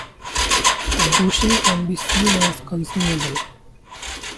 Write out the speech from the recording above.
A bushing can be seen as "consumable".